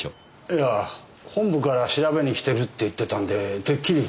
いや本部から調べに来てるって言ってたんでてっきり。